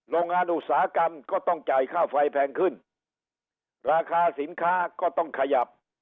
โรงงานอุตสาหกรรมก็ต้องจ่ายค่าไฟแพงขึ้นราคาสินค้าก็ต้องขยับ